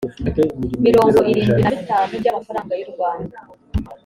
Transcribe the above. mirongo irindwi na bitanu by amafaranga y u rwanda